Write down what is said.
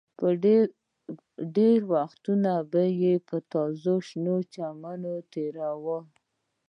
ډېر وخت به یې په تازه شنه چمن کې تېراوه